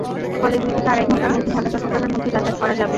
ফলে দুই থেকে আড়াই ঘণ্টার মধ্যে ঢাকা-চট্টগ্রামের মধ্যে যাতায়াত করা যাবে।